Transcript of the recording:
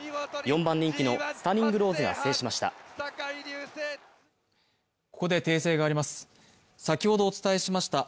４番人気のスタニングローズが制しました。